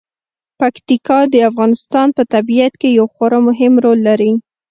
پکتیکا د افغانستان په طبیعت کې یو خورا مهم رول لري.